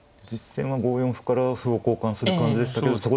実戦は５四歩から歩を交換する感じでしたけど。